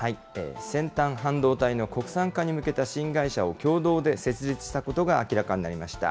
先端半導体の国産化に向けた新会社を共同で設立したことが明らかになりました。